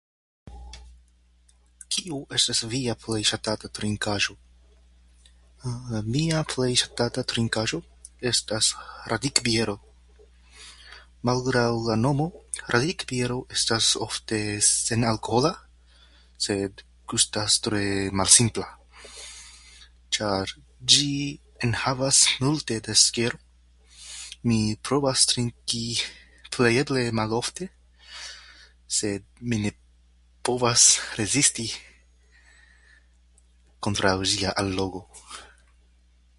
Kio estas via plej ŝatata trinkaĵo? Mia plej ŝatata trinkaĵo estas radikbiero. Malgraŭ la nomo, radikbiero estas ofte senalkohola sed gustas tre malsimpla. Ĉar ĝi enhavas multe da sukero, mi provas trinki plejofte malofte, sed mi ne povas rezisti kontraŭ ĝia allogo.